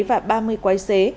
và ba mươi quái xế